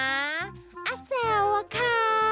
อาแสว่ว่ะค่ะ